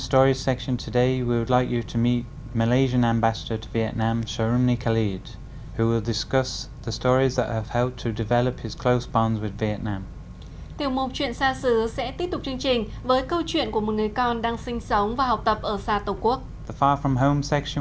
tiểu mục chuyện xa xứ sẽ tiếp tục chương trình với câu chuyện của một người con đang sinh sống và học tập ở xa tổ quốc